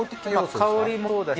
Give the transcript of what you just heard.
香りもそうだし